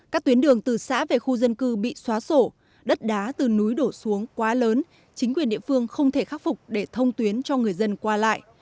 các tuyến đường từ xã về khu dân cư bị xóa sổ đất đá từ núi đổ xuống quá lớn chính quyền địa phương không thể khắc phục để thông tuyến cho người dân qua lại